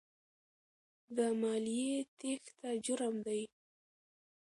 د مالیې تېښته جرم دی.